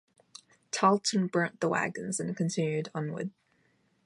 Tarleton burnt the wagons and continued onward.